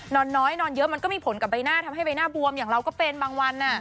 นอนน้อยนอนเยอะมันก็มีผลกับใบหน้าทำให้ใบหน้าบวมอย่างเราก็เป็นบางวัน